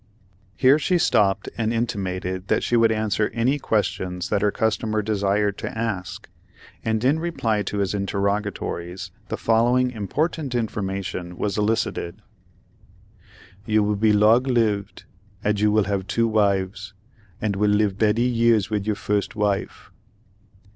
Here she stopped and intimated that she would answer any questions that her customer desired to ask, and in reply to his interrogatories the following important information was elicited: "You will be lodg lived, add you will have two wives, add will live beddy years with your first wife."